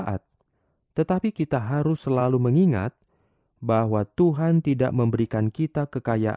karena selamat yang diberinya